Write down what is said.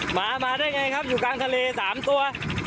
หมามาได้ไงครับอยู่กลางทะเล๓ตัว